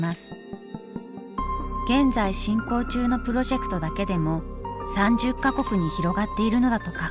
現在進行中のプロジェクトだけでも３０か国に広がっているのだとか。